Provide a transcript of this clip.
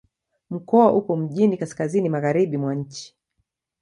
Mkoa upo mjini kaskazini-magharibi mwa nchi.